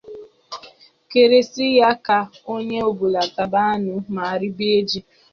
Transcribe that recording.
kerisie ya ka onye ọbụla taba anụ ma ribe ji